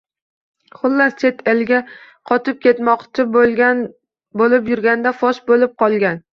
— Xullas, chet elga qochib ketmoqchi bo‘lib yurganda... fosh bo‘lib qolgan!